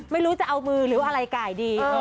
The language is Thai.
ไม่รู้จะเอามือหรืออะไรไก่ดี